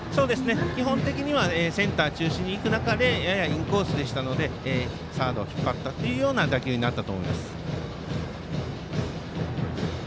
基本的にはセンター中心に行く中でややインコースでしたのでサードへ引っ張ったという打球になったと思います。